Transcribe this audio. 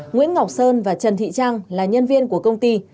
nguyễn ngọc sơn và trần thị trang là nhân viên của công ty